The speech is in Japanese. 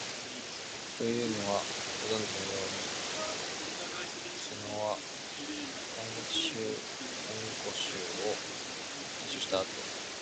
というのは、ご存じのように、貫之は「古今集」を編集したあと、